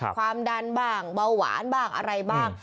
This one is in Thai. ความดันบ้างเบาหวานบ้างอะไรบ้าง